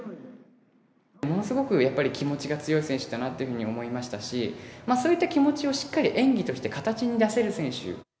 ものすごくやっぱり、気持ちが強い選手だなってふうに思いましたし、そういった気持ちをしっかり演技として形に出せる選手。